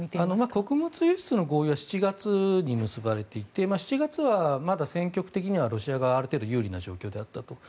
穀物輸出の合意は７月に結ばれて７月はまだ戦局的にロシアがある程度有利な状況であったと。